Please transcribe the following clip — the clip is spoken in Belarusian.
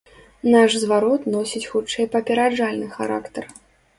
Наш зварот носіць хутчэй папераджальны характар.